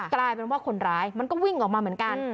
กลายเป็นว่าคนร้ายมันก็วิ่งออกมาเหมือนกัน